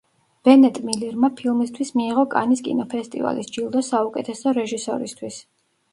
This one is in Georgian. ბენეტ მილერმა ფილმისთვის მიიღო კანის კინოფესტივალის ჯილდო საუკეთესო რეჟისორისთვის.